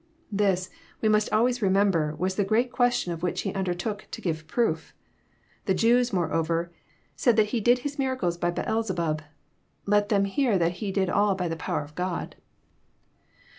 This, we must always remember, was the great question, of which He undertook to give proof. The Jews, moreover, saidtliat He did His miracles by Beelzebub : let them hear that He did all by the power of God.